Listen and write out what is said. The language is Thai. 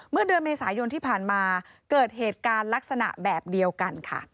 เมื่อเดือนเมษายนที่ผ่านมาเกิดเหตุการณ์ลักษณะแบบเดียวกันค่ะ